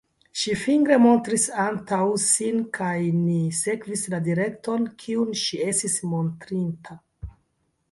Ŝi fingre montris antaŭ sin kaj ni sekvis la direkton, kiun ŝi estis montrinta.